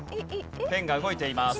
ペンが動いています。